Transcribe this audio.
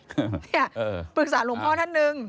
คือเนี่ยปรึกษาหลวงพ่อท่านหนึ่ง